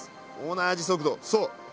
同じ速度そう。